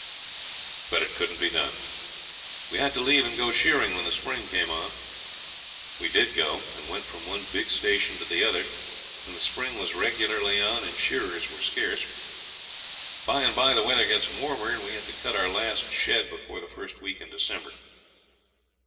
But it couldn't be done. We had to leave and go shearing when the spring came on. We did go, and went from one big station to the other when the spring was regularly on and shearers were scarce. By and by the weather gets warmer, and we had cut our last shed before the first week in December.